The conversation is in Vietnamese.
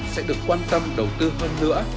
sẽ được quan tâm đầu tư hơn nữa